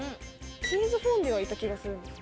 チーズフォンデュはいた気がするんです。